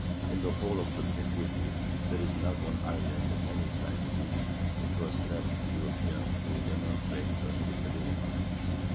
In the whole of the Pacific there is not one island of any size of which it was left to Europeans to demonstrate the habitability."